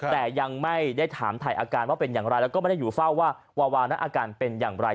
แต่ยังไม่ได้ถามถ่ายอาการว่าเป็นอย่างไรแล้วก็ไม่ได้อยู่เฝ้าว่าวาวานั้นอาการเป็นอย่างไร